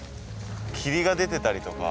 霧が出てたりとか。